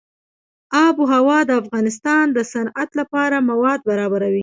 آب وهوا د افغانستان د صنعت لپاره مواد برابروي.